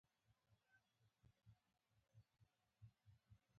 د دې بل باچا ښار ته راغلې.